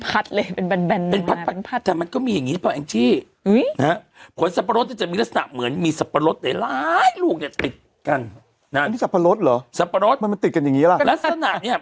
เป็นเหมือนเป็นพัดเลย